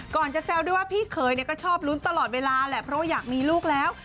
ก่อนจะแซวด้วยว่าพี่เคยก็ชอบลุ้นตลอดเวลาแหละเพราะอยากมีลูกแล้ว